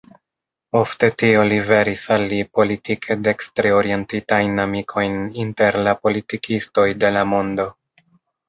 Ofte tio liveris al li politike dekstre-orientitajn amikojn inter la politikistoj de la mondo.